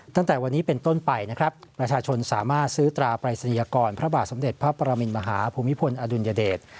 ตั้งแต่วันนี้เป็นต้นไปนะครับประชาชนสามารถซื้อตราปรายศนียกรพระบาทสมเด็จพระปรมินมหาภูมิพลอดุลยเดช